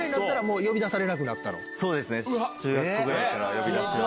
そうですね中学校ぐらいから呼び出しは。